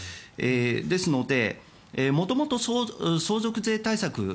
ですので、元々相続税対策